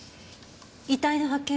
遺体の発見